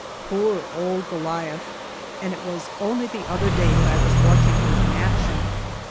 Poor old Goliath \ and it was only the other day that I was watching her in action.